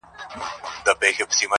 اسمان چي مځکي ته راځي قیامت به سینه--!